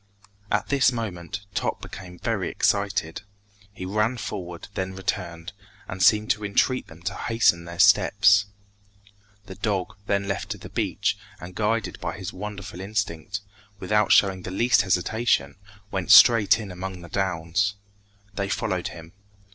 At this moment, Top became very excited. He ran forward, then returned, and seemed to entreat them to hasten their steps. The dog then left the beach, and guided by his wonderful instinct, without showing the least hesitation, went straight in among the downs. They followed him.